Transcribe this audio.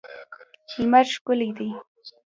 لمر ښکلی دی.